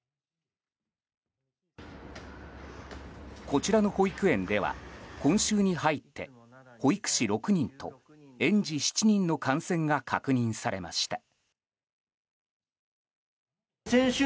こちらの保育園では今週に入って保育士６人と園児７人の感染が確認されました。